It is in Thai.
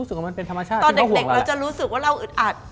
ตอนเด็กลาจะรู้สึกว่าเราอึดอัด